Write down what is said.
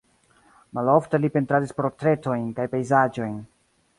Malofte li pentradis portretojn kaj pejzaĝojn.